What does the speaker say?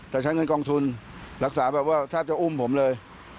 แต่ใช้เงินกองทุนรักษาแบบว่าแทบจะอุ้มผมเลย